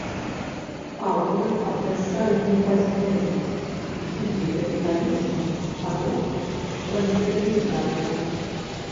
Аўтары абвяшчаюць непазбежнасць гібелі капіталізму ад рук пралетарыяту.